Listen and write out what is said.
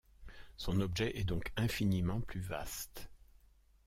Son objet est donc infiniment plus vaste.